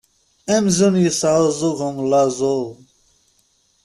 Amzun yesεuẓẓug umellaẓu!